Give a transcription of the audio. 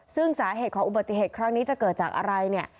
ซึ่งสาเหตุของอุบัติเหตุครั้งนี้จะเกิดจากอะไรเนี่ย